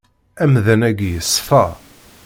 Amdan-agi yeṣfa.